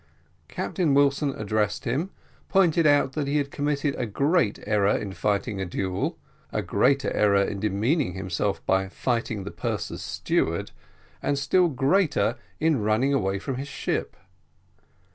Captain Wilson addressed him, pointed out that he had committed a great error in fighting a duel, a greater error in demeaning himself by fighting the purser's steward, and still greater in running away from his ship.